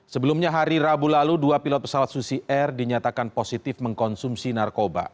sebelumnya hari rabu lalu dua pilot pesawat susi air dinyatakan positif mengkonsumsi narkoba